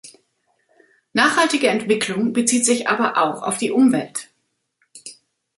Nachhaltige Entwicklung bezieht sich aber auch auf die Umwelt.